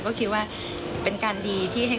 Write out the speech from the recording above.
ก็น่าจะขึ้นอันบรรณหนึ่ง